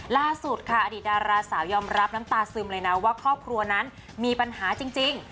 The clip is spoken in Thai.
ล่าสุดค่ะอดีตดาราสาวยอมรับน้ำตาซึมเลยนะว่าครอบครัวนั้นมีปัญหาจริง